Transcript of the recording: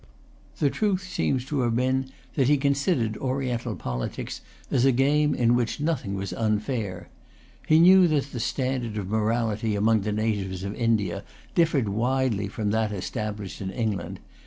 The truth seems to have been that he considered Oriental politics as a game in which nothing was unfair. He knew that the standard of morality among the natives of India differed widely from that established in England.